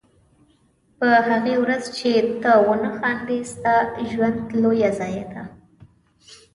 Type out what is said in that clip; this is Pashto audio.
په هغې ورځ چې ته ونه خاندې ستا د ژوند لویه ضایعه ده.